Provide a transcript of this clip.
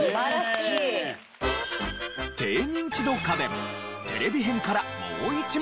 低ニンチド家電テレビ編からもう１問。